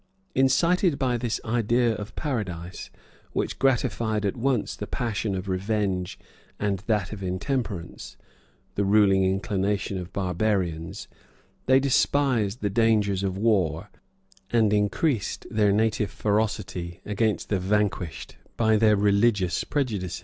Incited by this idea of paradise, which gratified at once the passion of revenge and that of intemperance, the ruling inclinations of barbarians, they despised the dangers of war, and increased their native ferocity against the vanquished by their religious prejudices.